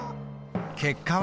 結果は？